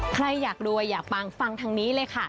ใครอยากรวยอยากปังฟังทางนี้เลยค่ะ